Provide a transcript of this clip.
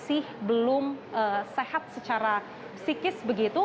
masih belum sehat secara psikis begitu